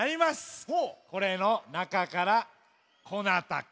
これのなかからこなたか。